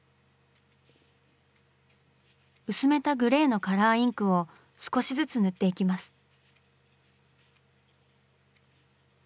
薄めたグレーのカラーインクを少しずつ塗っていきます。